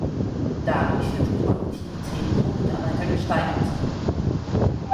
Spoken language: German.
Dadurch wird die Produktivität pro Mitarbeiter gesteigert.